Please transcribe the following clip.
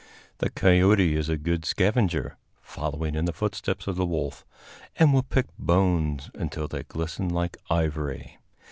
The coyote is a good scavenger, following in the footsteps of the wolf, and will pick bones until they glisten like ivory.